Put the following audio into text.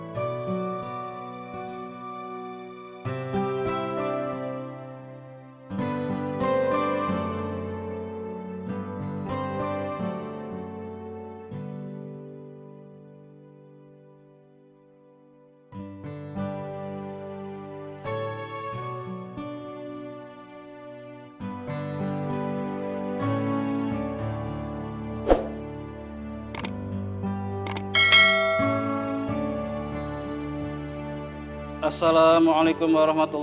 terima kasih atas dukungan anda